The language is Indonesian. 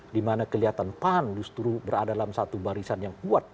dimana kelihatan pan justru berada dalam satu barisan yang kuat